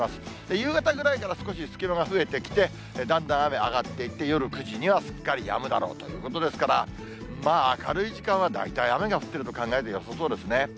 夕方ぐらいから少し隙間が増えてきて、だんだん雨上がっていって、夜９時にはすっかりやむだろうということですから、まあ明るい時間は大体雨が降ってると考えてよさそうですね。